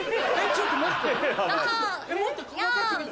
ちょっと待って。